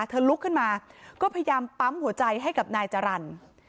ลุกขึ้นมาก็พยายามปั๊มหัวใจให้กับนายจรรย์